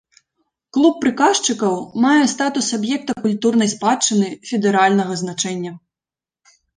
Клуб прыказчыкаў мае статус аб'екта культурнай спадчыны федэральнага значэння.